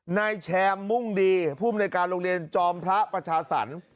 นายแชมป์มุ่งดีภูมิในการโรงเรียนจอมพระประชาสรรค์